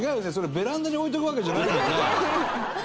ベランダに置いておくわけじゃないもんね。